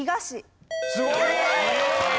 すごい！